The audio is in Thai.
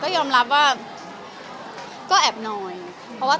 ก็ยอมรับว่า